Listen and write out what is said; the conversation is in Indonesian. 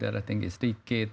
ada tinggi sedikit